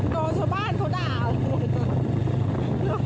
โชว์หน้ากันเขาจะด่าไม่ได้เลย